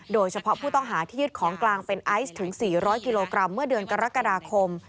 โดยเฉพาะผู้ต้องหาที่ยึดของกลางเป็นไอซ์ถึง๔๐๐กิโลกรัมเมื่อเดือนกรกฎาคม